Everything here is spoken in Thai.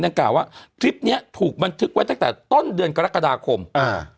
กล่าวว่าคลิปเนี้ยถูกบันทึกไว้ตั้งแต่ต้นเดือนกรกฎาคมอ่า